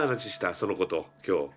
その子と今日。